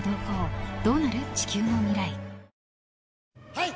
はい。